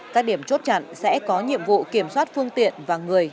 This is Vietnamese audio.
các điểm chốt chặn sẽ có nhiệm vụ kiểm soát phương tiện và người